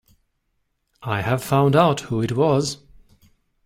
I have found out who it was.